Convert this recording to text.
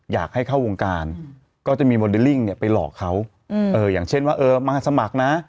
อยากให้เข้าวงการก็จะมีโมเดลลิ่งเนี่ยไปหลอกเขาอย่างเช่นว่าเออมาสมัครนะ